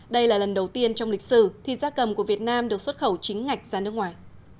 đây là lần đầu tiên trong lịch sử thì da cầm của việt nam được xuất khẩu chính ngạch ra nước ngoài